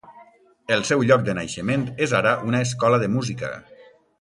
El seu lloc de naixement és ara una escola de música.